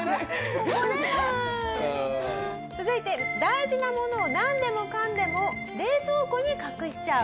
続いて大事なものをなんでもかんでも冷凍庫に隠しちゃう。